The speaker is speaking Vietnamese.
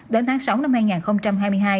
đến tháng sáu năm hai nghìn hai mươi hai